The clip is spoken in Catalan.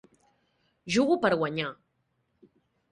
Jugo per guanyar.